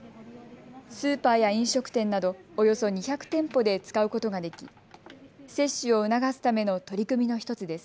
スーパーや飲食店などおよそ２００店舗で使うことができ接種を促すための取り組みの１つです。